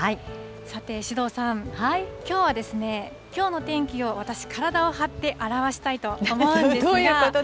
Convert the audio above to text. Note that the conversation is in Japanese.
さて首藤さん、きょうは、きょうの天気を私、体を張って表したいと思うんですが。